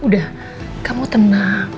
udah kamu tenang